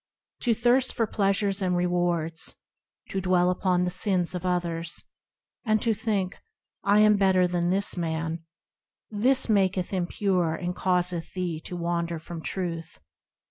To thirst for pleasures and rewards, To dwell upon the sins of others, And to think, " I am better than this man,"– This maketh impure and causeth thee to wander from Truth.